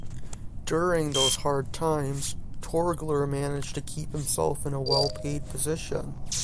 During those hard times, Torgler managed to keep himself in a well-paid position.